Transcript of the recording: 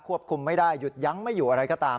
คุมไม่ได้หยุดยั้งไม่อยู่อะไรก็ตาม